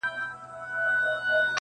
ستا له خیبر سره ټکراو ستا حماقت ګڼمه,